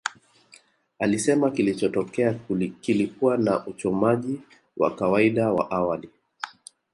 Alisema kilichotokea kilikuwa ni uchomaji wa kawaida wa awali